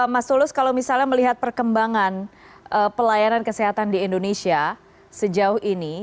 mas tulus kalau misalnya melihat perkembangan pelayanan kesehatan di indonesia sejauh ini